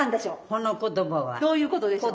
その言葉は。どういうことでしょう？